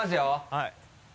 はい。